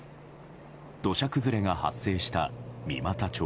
土砂崩れが発生した三股町。